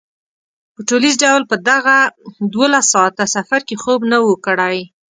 په ټولیز ډول په دغه دولس ساعته سفر کې خوب نه و کړی.